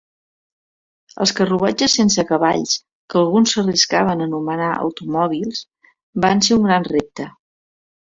Els carruatges sense cavalls, que alguns s'arriscaven a anomenar automòbils, van ser un gran repte.